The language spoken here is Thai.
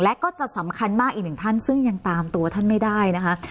และก็จะสำคัญมากอีกหนึ่งท่านซึ่งยังตามตัวท่านไม่ได้นะคะ